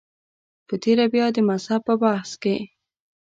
په تېره بیا د مذهب په بحث کې.